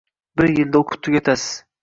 bir yilda o‘qib tugatasiz.